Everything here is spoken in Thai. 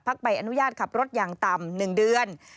ใบอนุญาตขับรถอย่างต่ำ๑เดือน